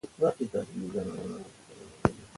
بهترین د خلکو هغه دی، چې خلکو ته یې ډېره ګټه رسېږي، حدیث